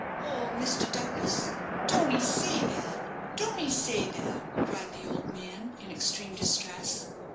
"Oh, Mr. Douglas, don't 'ee say that, don't 'ee say that," cried the old man, in extreme distress.